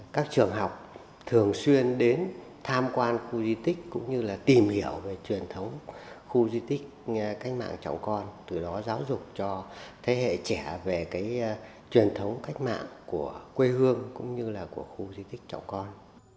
các trường học thường xuyên đến tham quan khu di tích cũng như là tìm hiểu về truyền thống khu di tích cách mạng chồng con từ đó giáo dục cho thế hệ trẻ về cái truyền thống cách mạng của quê hương cũng như là của khu di tích chồng con